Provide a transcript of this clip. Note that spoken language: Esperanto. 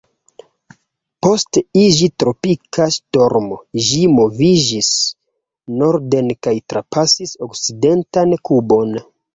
Post iĝi tropika ŝtormo, ĝi moviĝis norden kaj trapasis okcidentan Kubon.